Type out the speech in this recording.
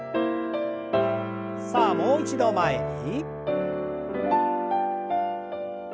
さあもう一度前に。